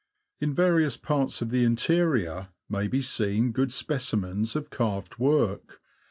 In various parts of the interior may be seen good specimens of carved work.